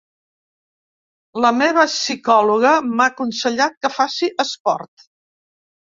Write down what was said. La meva psicòloga m'ha aconsellat que faci esport.